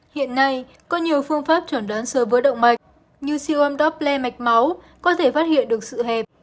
hiện nay có nhiều phương pháp chẩn đoán sơ vứa động mạch như siêu âm doppler mạch máu có thể phát hiện được sự hẹp